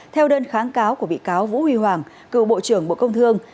theo đơn kháng cáo của bị cáo vũ huy hoàng cựu bộ trưởng bộ công thương